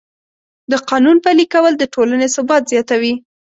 د قانون پلي کول د ټولنې ثبات زیاتوي.